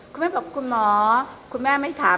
คุณแม่บอกคุณหมอคุณแม่ไม่ถาม